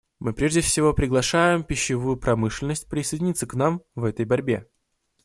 Мы прежде всего приглашаем пищевую промышленность присоединиться к нам в этой борьбе.